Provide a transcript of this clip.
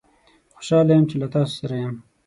خوشحال یم چې له تاسوسره یم